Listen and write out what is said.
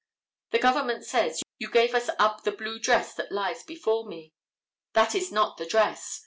The government says: "You gave us up the blue dress that lies before me. That is not the dress.